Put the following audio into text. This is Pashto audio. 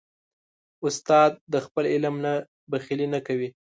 استاد د خپل علم نه بخیلي نه کوي.